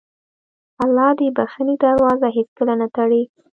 الله د بښنې دروازه هېڅکله نه تړي.